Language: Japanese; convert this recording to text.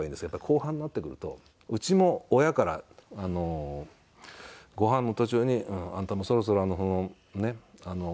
やっぱり後半になってくるとうちも親からご飯の途中に「あんたもうそろそろねえ。